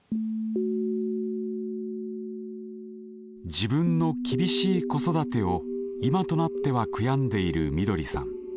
自分の厳しい子育てを今となっては悔やんでいるみどりさん。